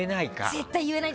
絶対言えないです。